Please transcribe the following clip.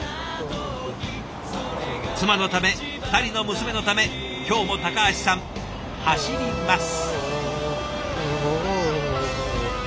妻のため２人の娘のため今日も橋さん走ります。